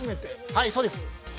◆はい、そうです。